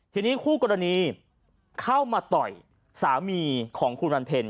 ทีนี้คู่กรณีเข้ามาต่อยสามีของคุณวันเพ็ญ